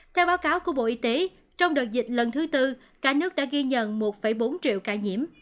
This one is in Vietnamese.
theo báo cáo của bộ y tế trong đợt dịch lần thứ tư cả nước đã ghi nhận một bốn triệu ca nhiễm